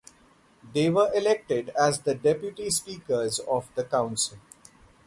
They were elected as the deputy speakers of the council.